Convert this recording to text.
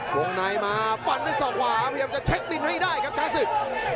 วงในมาฟันด้วยศอกขวาพยายามจะเช็คดินให้ได้ครับช้าศึก